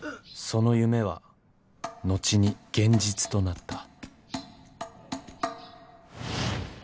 ［その夢は後に現実となった。］